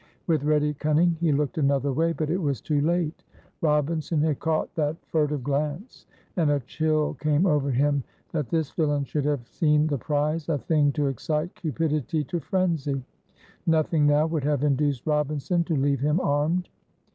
With ready cunning he looked another way, but it was too late. Robinson had caught that furtive glance, and a chill came over him that this villain should have seen the prize, a thing to excite cupidity to frenzy. Nothing now would have induced Robinson to leave him armed.